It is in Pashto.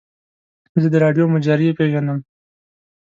زه د راډیو مجری پیژنم.